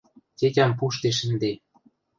Тетям пуштеш ӹнде...